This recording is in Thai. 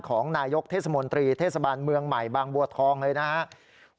ของนายกเทศมนตรีเทศบาลเมืองใหม่บางบัวทองเลยนะครับ